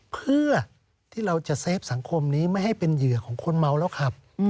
เพื่อที่เราจะเซฟสังคมนี้ไม่ให้เป็นเหยื่อของคนเมาแล้วขับ